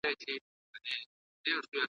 د همدې له برکته موږ ولیان یو `